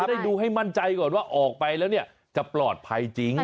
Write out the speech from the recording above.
ได้ดูให้มั่นใจก่อนว่าออกไปแล้วเนี่ยจะปลอดภัยจริง